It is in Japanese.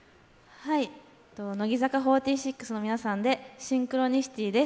乃木坂４６の皆さんで「シンクロニシティ」です。